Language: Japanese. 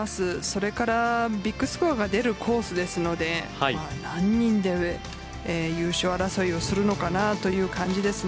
それから、ビッグスコアが出るコースですので何人で優勝争いをするのかなという感じです。